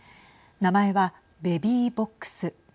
名前は、ベビーボックス。